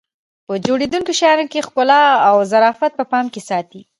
په جوړېدونکو شیانو کې ښکلا او ظرافت په پام کې ساتي.